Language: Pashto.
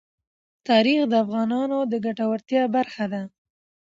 تاریخ د افغانانو د ګټورتیا برخه ده.